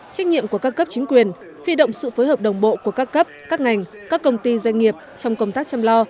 trách nhiệm của các cấp chính quyền huy động sự phối hợp đồng bộ của các cấp các ngành các công ty doanh nghiệp trong công tác chăm lo